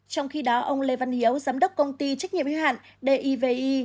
trong khi đó ông lê văn hiếu giám đốc công ty trách nhiệm hiếu hạn divi